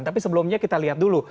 tapi sebelumnya kita lihat dulu